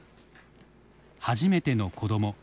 初めての子ども。